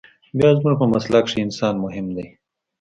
بيا زموږ په مسلک کښې انسان مهم ديه.